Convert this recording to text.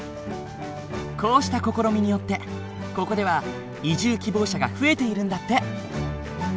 こうした試みによってここでは移住希望者が増えているんだって。